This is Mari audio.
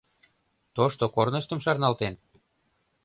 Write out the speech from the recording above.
Тошто корныштым шарналтен?